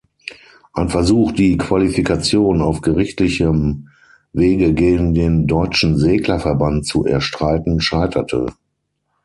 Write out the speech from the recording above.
Ein Versuch, die Qualifikation auf gerichtlichem Wege gegen den Deutschen Segler-Verband zu erstreiten, scheiterte.